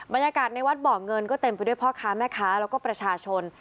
บรรยากาศในวัดบ่อเงินก็เต็มไปด้วยพ่อค้าแม่ค้าแล้วก็ประชาชน